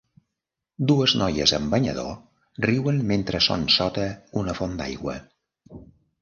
Dues noies amb banyador riuen mentre són sota una font d'aigua.